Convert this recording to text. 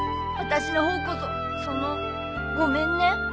私の方こそそのごめんね。